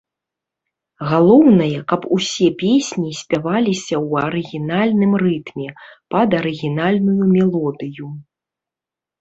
Галоўнае, каб усе песні спяваліся ў арыгінальным рытме пад арыгінальную мелодыю.